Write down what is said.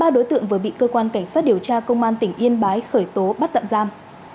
ba đối tượng vừa bị cơ quan cảnh sát điều tra công an tỉnh yên bái khởi tố bắt tạm giam